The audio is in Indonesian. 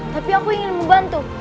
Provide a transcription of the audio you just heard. tapi aku ingin membantu